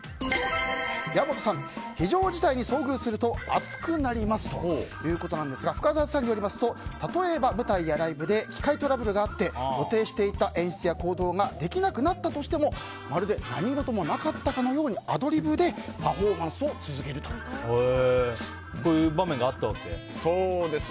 岩本さん、非常事態に遭遇するとアツくなりますということですが深澤さんによりますと例えば、舞台やライブで機械トラブルがあって予定していた演出や行動ができなくなったとしてもまるで何事もなかったかのようにアドリブでパフォーマンスを続けるということです。